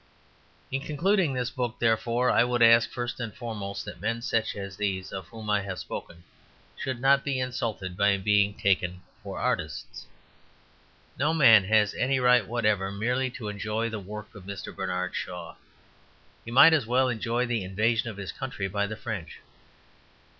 In concluding this book, therefore, I would ask, first and foremost, that men such as these of whom I have spoken should not be insulted by being taken for artists. No man has any right whatever merely to enjoy the work of Mr. Bernard Shaw; he might as well enjoy the invasion of his country by the French.